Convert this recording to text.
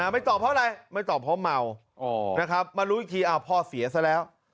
ไม่ตอบเพราะอะไรไม่ตอบเพราะเมานะครับมารู้อีกทีพ่อเสียซะแล้ว